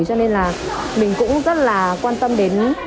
cho nên là mình cũng rất là quan tâm đến